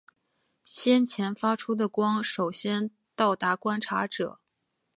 先前发出的光首先到达观察者。